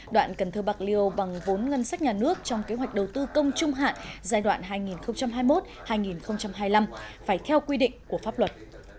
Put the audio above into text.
đoạn cần thơ bạc liêu bằng vốn ngân sách nhà nước trong kế hoạch đầu tư công trung hạn giai đoạn hai nghìn hai mươi một hai nghìn hai mươi năm phải theo quy định của pháp luật